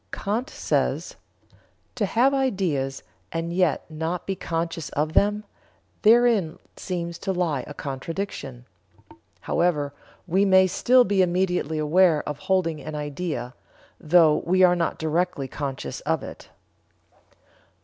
Kant says: "To have ideas and yet not be conscious of them therein seems to lie a contradiction. However, we may still be immediately aware of holding an idea, though we are not directly conscious of it."